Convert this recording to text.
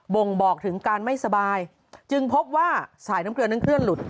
่งบอกถึงการไม่สบายจึงพบว่าสายน้ำเกลือนั้นเคลื่อนหลุด